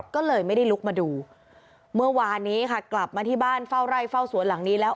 ก็เลยไม่ได้ลุกมาดูเมื่อวานนี้ค่ะกลับมาที่บ้านเฝ้าไร่เฝ้าสวนหลังนี้แล้ว